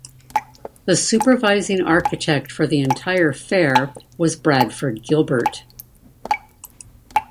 The supervising architect for the entire fair was Bradford Gilbert.